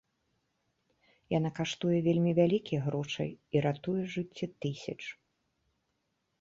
Яна каштуе вельмі вялікіх грошай і ратуе жыцці тысяч.